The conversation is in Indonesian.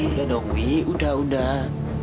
udah dong wih udah udah